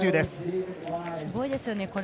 すごいですよね。